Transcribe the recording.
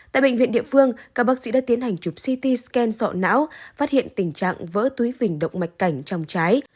tại bệnh viện địa phương các bác sĩ đã tiến hành chụp ct scan sọ não phát hiện tình trạng vỡ túi vình động mạch cảnh trong trái